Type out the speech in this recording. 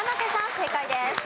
正解です。